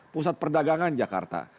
pusat perdagangan jakarta